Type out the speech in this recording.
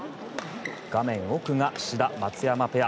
画面奥が志田、松山ペア。